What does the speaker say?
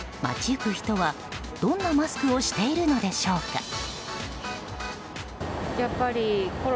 街行く人はどんなマスクをしているのでしょうか。